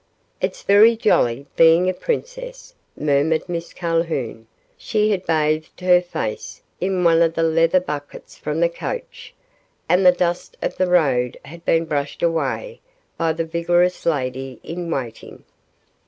"It's very jolly being a princess," murmured Miss Calhoun. She had bathed her face in one of the leather buckets from the coach, and the dust of the road had been brushed away by the vigorous lady in waiting.